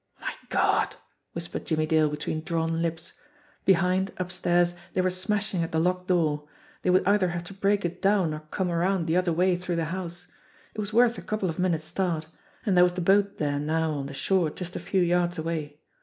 "My God !" whispered Jimmie Dale between drawn lips. Behind, upstairs, they were smashing at the locked door. They would either have to break it down or come around the other way through the house. It was worth a couple of minutes' start and there was the boat there now on the shore just a few yards away.